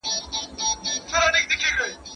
پرون مې د باران غږ تر ناوخته اورېده.